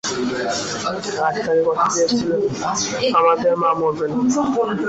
আর তাকে কথা দিয়েছিলে - আমাদের মা মরবে না।